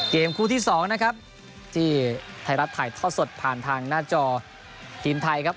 เกมคู่ที่๒นะครับที่ไทยรัฐถ่ายทอดสดผ่านทางหน้าจอทีมไทยครับ